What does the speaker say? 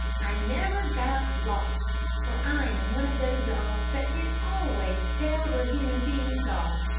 "I never got lost, for I am one of those dogs that can always tell where human beings are.